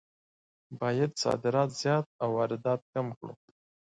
باید صادرات زیات او واردات کم کړو.